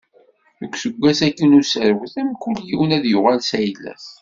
Deg useggas-agi n userwet, mkul yiwen ad yuɣal s ayla-s.